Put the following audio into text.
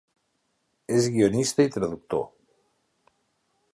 És guionista i traductor.